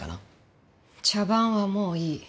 茶番はもういい。